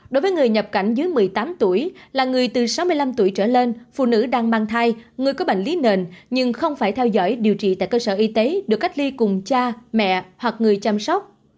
đối với người nhập cảnh dưới một mươi tám tuổi là người từ sáu mươi năm tuổi trở lên phụ nữ đang mang thai người có bệnh lý nền nhưng không phải theo dõi điều trị tại cơ sở y tế được cách ly cùng cha mẹ hoặc người chăm sóc